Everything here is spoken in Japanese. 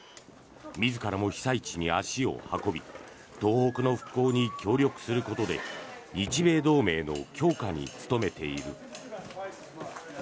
自らも被災地に足を運び東北の復興に協力することで日米同盟の強化に努めている。